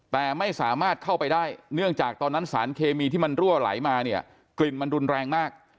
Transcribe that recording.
แต่ไม่สามารถเข้าไปได้เนื่องจากตอนนั้นสารเคมีที่มันรั่วไหลมาเนี่ยกลิ่นมันรุนแรงมาก